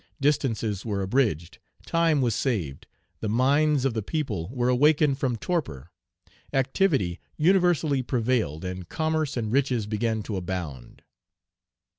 Distances were abridged; time was saved; the minds of the people were awakened from torpor; activity universally prevailed, and commerce and riches began to abound.